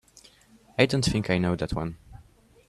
I don't think I know that one.